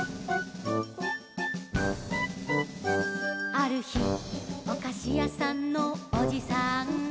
「あるひおかしやさんのおじさんが」